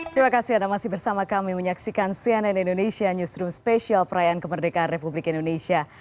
terima kasih anda masih bersama kami menyaksikan cnn indonesia newsroom spesial perayaan kemerdekaan republik indonesia